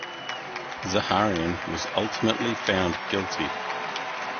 Zaharian was ultimately found guilty.